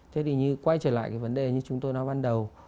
thế thì như quay trở lại cái vấn đề như chúng tôi nói ban đầu